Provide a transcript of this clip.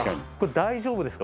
大丈夫ですか？